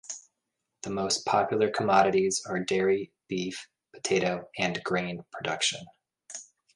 The most popular commodities are dairy, beef, potato, and grain production.